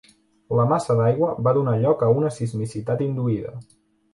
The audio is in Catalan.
La massa d'aigua va donar lloc a una sismicitat induïda.